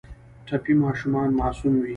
ټپي ماشومان معصوم وي.